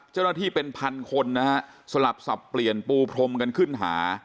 เจ้าหน้าที่เป็นพันคนนะฮะสลับสับเปลี่ยนปูพรมกันขึ้นหา